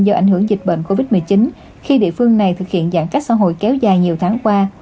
do ảnh hưởng dịch bệnh covid một mươi chín khi địa phương này thực hiện giãn cách xã hội kéo dài nhiều tháng qua